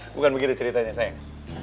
bukan begitu ceritanya sayang